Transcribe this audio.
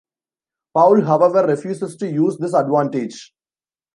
Paul, however, refuses to use this advantage.